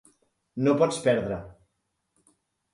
No pots perdre.